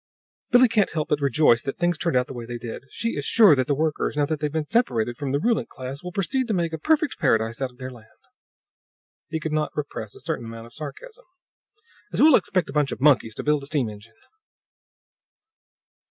"Billie can't help but rejoice that things turned out the way they did. She is sure that the workers, now that they've been separated from the ruling class, will proceed to make a perfect paradise out of their land." He could not repress a certain amount of sarcasm. "As well expect a bunch of monkeys to build a steam engine!